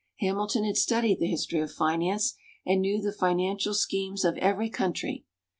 Hamilton had studied the history of finance, and knew the financial schemes of every country.